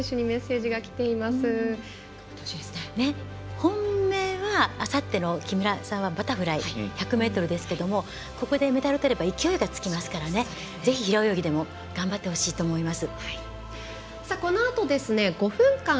本命はあさって木村さんはバタフライ１００ｍですけれどもここでメダルをとれば勢いがつきますからぜひ平泳ぎでも頑張ってほしいと思います。